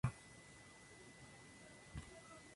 Escribir es alcanzar el punto en el cual solo la lengua actúa.